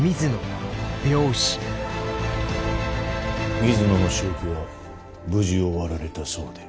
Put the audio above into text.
水野の仕置きは無事終わられたそうで。